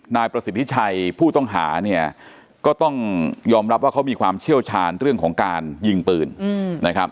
นายประสิทธิชัยผู้ต้องหาเนี่ยก็ต้องยอมรับว่าเขามีความเชี่ยวชาญเรื่องของการยิงปืนนะครับ